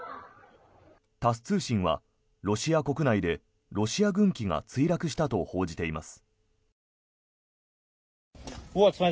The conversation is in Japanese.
タス通信はロシア国内でロシア軍機が墜落したと報じています。